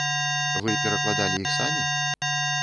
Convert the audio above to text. Вы перакладалі іх самі?